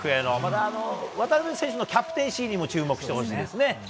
渡邊選手のキャプテンシーにも注目してほしいですね。